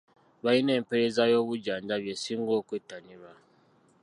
Balina empeereza y'obujjanjabi esinga okwettanirwa.